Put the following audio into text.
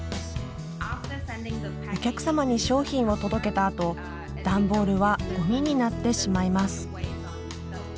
お客様に商品を届けたあと段ボールはゴミになってしまいます。